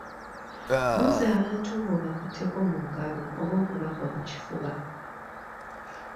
Buuza abantu ng’obakutteko mu ngalo oba okubagwa mu kifuba.